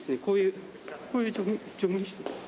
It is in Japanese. こういう。